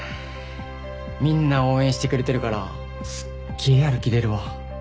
みんな応援してくれてるからすっげえやる気出るわ。